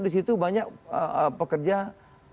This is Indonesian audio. di situ banyak pekerjaan